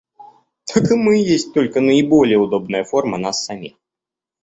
Так и мы есть только наиболее удобная форма нас самих.